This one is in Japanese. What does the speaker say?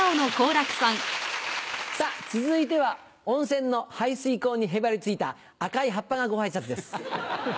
さぁ続いては温泉の排水溝にへばり付いた赤い葉っぱがご挨拶です。